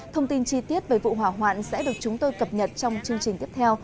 thông tin chi tiết về vụ hỏa hoạn sẽ được chúng tôi cập nhật trong chương trình tiếp theo